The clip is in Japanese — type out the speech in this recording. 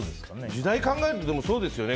時代考えると、そうですよね。